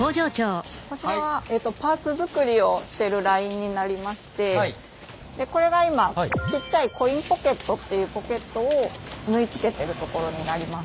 こちらはパーツ作りをしてるラインになりましてこれが今ちっちゃいコインポケットっていうポケットを縫いつけてるところになります。